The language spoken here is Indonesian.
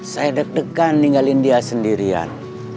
saya deg degan ninggalin dia sendirian